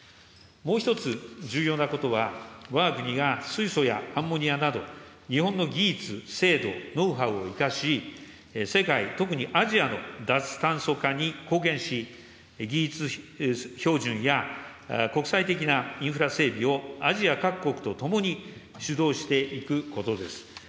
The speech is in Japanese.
もう一つ、重要なことはわが国が水素やアンモニアなど、日本の技術、制度、ノウハウを生かし、世界、特にアジアの脱炭素化に貢献し、技術標準や国際的なインフラ整備をアジア各国と共に主導していくことです。